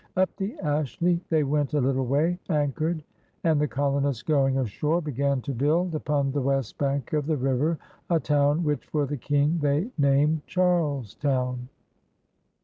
Up the Ashley they went a little way, anchored, and the colonists going ashore b^an to build upon the west bank of the river a town which for the "King they named Charles Town.